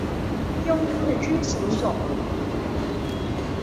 用四肢行走。